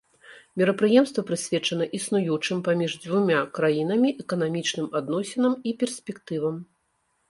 Мерапрыемства прысвечана існуючым паміж дзвюма краінамі эканамічным адносінам і перспектывам.